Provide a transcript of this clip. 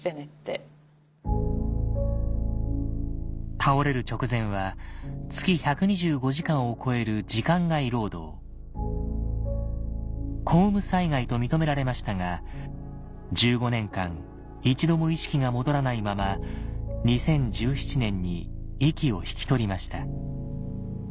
倒れる直前は月１２５時間を超える時間外労働公務災害と認められましたが１５年間一度も意識が戻らないまま２０１７年に息を引き取りました